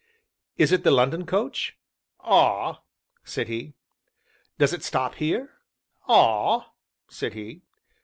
"Is it the London coach?" "Ah!" said he. "Does it stop here?" "Ah!" said he.